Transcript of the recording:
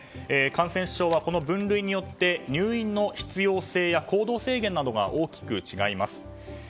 感染症は、この分類によって入院の必要性や行動制限などが大きく違います。